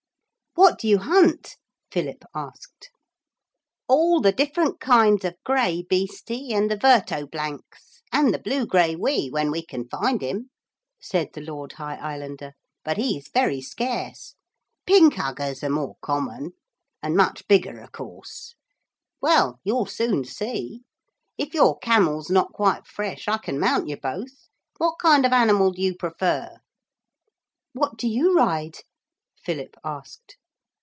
'What do you hunt?' Philip asked. 'All the different kinds of graibeeste and the vertoblancs; and the blugraiwee, when we can find him,' said the Lord High Islander. 'But he's very scarce. Pinkuggers are more common, and much bigger, of course. Well, you'll soon see. If your camel's not quite fresh I can mount you both. What kind of animal do you prefer?' 'What do you ride?' Philip asked.